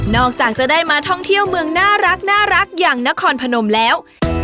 จากจะได้มาท่องเที่ยวเมืองน่ารักอย่างนครพนมแล้ว